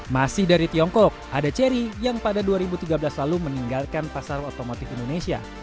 masih dari tiongkok ada cherry yang pada dua ribu tiga belas lalu meninggalkan pasar otomotif indonesia